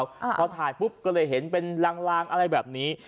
พอถ่ายปุ๊บก็เลยเห็นเป็นลางลางอะไรแบบนี้